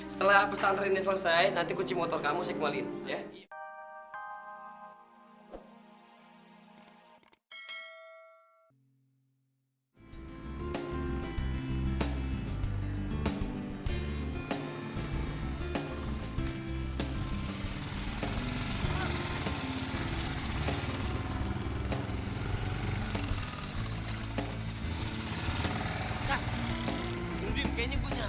setelah pesantren ini selesai nanti kunci motor kamu saya kembaliin